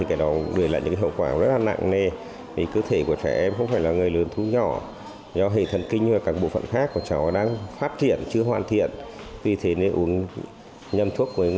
các bác sĩ cảnh báo gia đình cần đề thuốc ngoài tầm với của trẻ không để lẫn chai lọ hóa chất với chai nước uống